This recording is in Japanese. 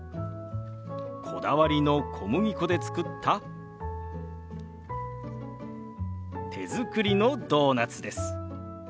こだわりの小麦粉で作った手作りのドーナツです。